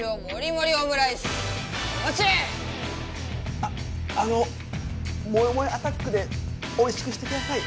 ああのもえもえアタックでおいしくしてください。